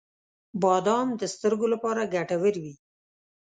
• بادام د سترګو لپاره ګټور وي.